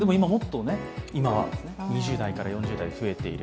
今は２０代から４０代に増えている。